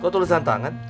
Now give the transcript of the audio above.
kau tulisan tangan